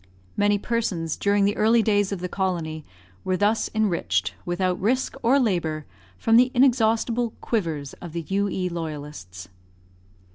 Many persons, during the early days of the colony, were thus enriched, without risk or labour, from the inexhaustible "quivers" of the U.E. Loyalists.